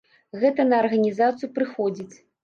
Гэта на арганізацыю прыходзіць.